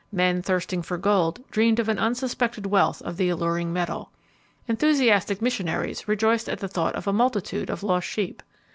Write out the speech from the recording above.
Men thirsting for gold dreamed of an unsuspected wealth of the alluring metal. Enthusiastic missionaries rejoiced at the thought of a multitude of lost sheep.